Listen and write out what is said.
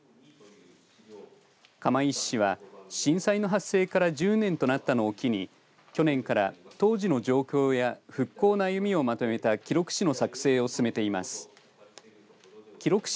釜石市は震災の発生から１０年となったのを機に去年から当時の状況や復興の歩みをまとめた記録誌の作成を進めています。